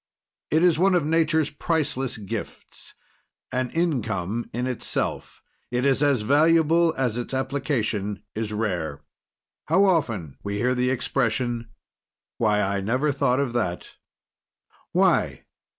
It is one of Nature's priceless gifts; an income in itself, it is as valuable as its application is rare. How often we hear the expression "Why, I never thought of that!" Why?